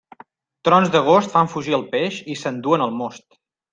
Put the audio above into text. Trons d'agost fan fugir el peix i s'enduen el most.